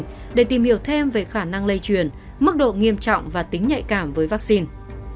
các đột biến được tiến hành để tìm hiểu thêm về khả năng lây truyền mức độ nghiêm trọng và tính nhạy cảm với vaccine